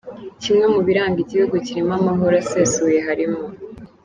Kimwe mu biranga Igihugu kirimo amahoro asesuye harimo :.